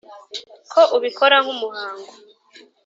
ko ubikora nk’umuhango